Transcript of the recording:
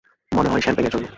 মনে হয় শ্যাম্পেনের জন্য।